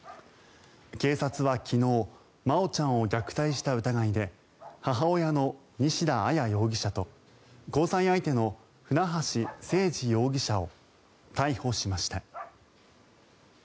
警察は昨日真愛ちゃんを虐待した疑いで母親の西田彩容疑者と交際相手の船橋誠二容疑者を逮捕しました。